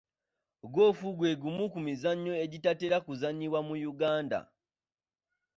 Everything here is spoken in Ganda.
Goofu gwe gumu ku mizannyo egitatera kuzannyibwa mu Uganda.